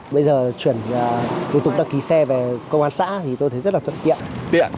bây giờ chuyển thủ tục đăng ký xe về công an xã thì tôi thấy rất là thuận tiện